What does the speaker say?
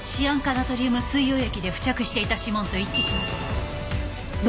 ナトリウム水溶液で付着していた指紋と一致しました。